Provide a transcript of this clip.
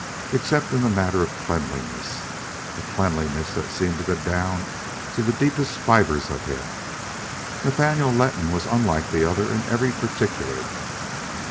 Except in the matter of cleanness, a cleanness that seemed to go down to the deepest fibers of him, Nathaniel Letton was unlike the other in every particular.